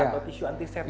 atau tisu antiseptik